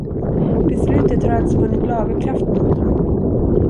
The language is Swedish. Beslutet har alltså vunnit laga kraft mot dem.